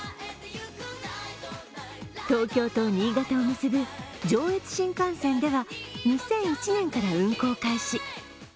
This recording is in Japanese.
東京と新潟を結び上越新幹線では２００１年から運行開始。